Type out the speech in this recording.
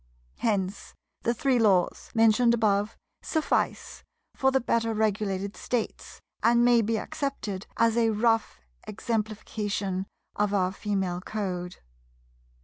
Hence the Three Laws, mentioned above, suffice for the better regulated States, and may be accepted as a rough exemplification of our Female Code.